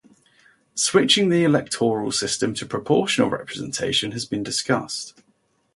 Switching the electoral system to proportional representation has been discussed.